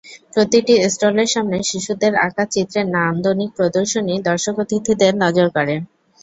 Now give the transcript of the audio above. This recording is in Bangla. প্রতিটি স্টলের সামনে শিশুদের আঁকা চিত্রের নান্দনিক প্রদর্শনী দর্শক-অতিথিদের নজর কাড়ে।